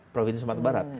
provinsi sumatera barat